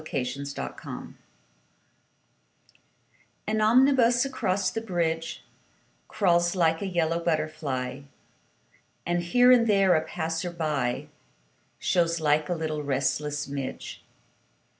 SYMPHONY IN YELLOW AN omnibus across the bridge Crawls like a yellow butterfly And, here and there, a passer by Shows like a little restless midge.